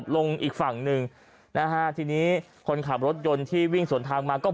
ลงอีกฝั่งหนึ่งนะฮะทีนี้คนขับรถยนต์ที่วิ่งสวนทางมาก็